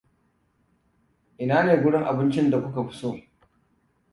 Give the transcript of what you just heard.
Inane gurin abincin da kuka fi so?